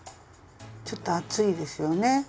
ちょっと厚いですよね？